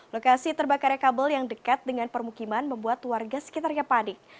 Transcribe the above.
lokasi terbakarnya kabel yang dekat dengan permukiman membuat warga sekitarnya panik